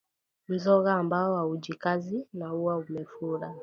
Mzoga ambao haujikazi na huwa umefura